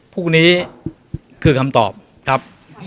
พวกนี้คือคำตอบครับ